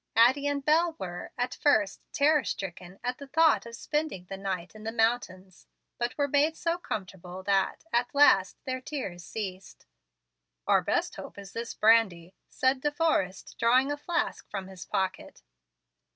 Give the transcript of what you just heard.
Addie and Bel were, at first, terror stricken at the thought of spending the night in the mountains, but were made so comfortable that, at last, their tears ceased. "Our best hope is this brandy," said De Forrest, drawing a flask from his pocket.